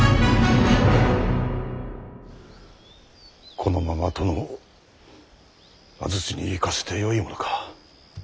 このまま殿を安土に行かせてよいものか。